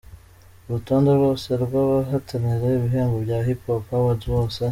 Urutonde rwose rw’abahatanira ibihembo bya Hipipo Awards bose.